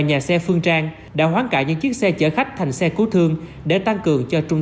nhà xe phương trang đã hoán cải những chiếc xe chở khách thành xe cứu thương để tăng cường cho trung